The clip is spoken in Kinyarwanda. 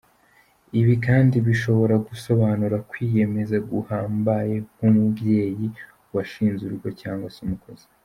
Ibi kandi bishobora gusobanura kwiyemeza guhambaye nk’umubyeyi, uwashinze urugo cyangwa se umukozi.